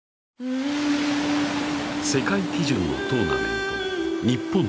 世界基準のトーナメント。